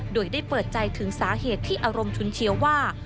โดยได้เปิดใจถึงสาเหตุที่อารมณ์ชุนเชียวว่า